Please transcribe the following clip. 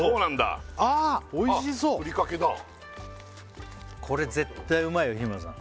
ああおいしそうふりかけだこれ絶対うまいよ日村さん